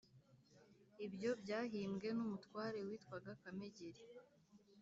ibyo byahimbwe n'umutware witwaga kamegeri.